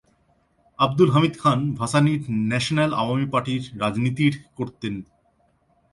আব্দুল হামিদ খাঁন ভাসানীর ন্যাশনাল আওয়ামী পার্টির রাজনীতির করতেন।